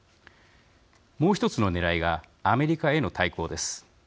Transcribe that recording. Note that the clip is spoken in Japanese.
もう１つのねらいがアメリカへの対抗です。